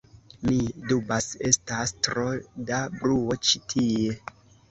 Mi dubas, estas tro da bruo ĉi tie